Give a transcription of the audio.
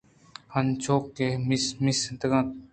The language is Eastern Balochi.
انچوکہ مسینگ اِنت